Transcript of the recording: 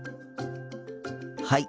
はい。